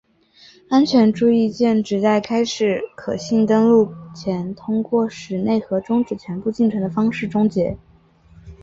安全注意键旨在在开始可信登录前通过使内核终止全部进程的方式终结。